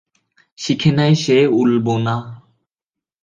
শিখে নেয় সে উল বোনা।